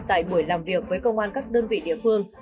tại buổi làm việc với công an các đơn vị địa phương